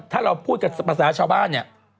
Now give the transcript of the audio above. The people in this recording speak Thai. ถ้าเราพูดกับภาษาชาวบ้านเนี่ย